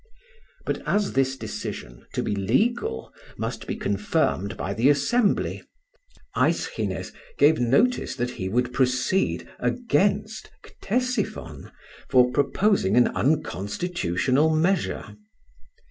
But as this decision, to be legal, must be confirmed by the Assembly, Aeschines gave notice that he would proceed against Ctesiphon for proposing an unconstitutional measure.